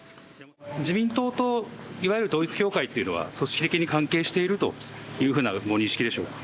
自民党と、いわゆる統一教会というのは、組織的に関係してるというふうなご認識でしょうか？